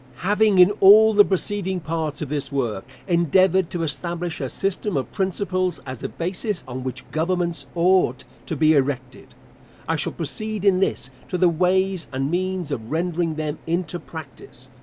Having in all the preceding parts of this work endeavoured to establish a system of principles as a basis on which governments ought to be erected, I shall proceed in this, to the ways and means of rendering them into practice.